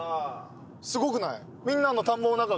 すごくない？